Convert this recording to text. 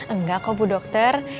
enggak kok bu dokter